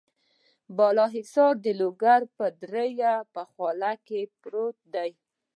بالا حصار د لوګر د درې په خوله کې پروت دی.